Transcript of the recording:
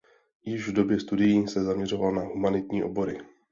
Již v době studií se zaměřoval na humanitní obory.